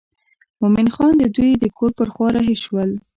مومن خان دوی د کور پر خوا رهي شول.